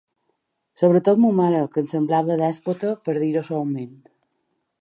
Sobretot ma mare, que em semblava dèspota, per dir-ho suaument.